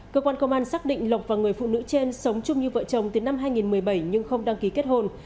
cơ quan công an xác định lộc và người phụ nữ trên sống chung như vợ chồng từ năm hai nghìn một mươi bảy nhưng không đăng ký kết hôn